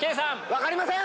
分かりません！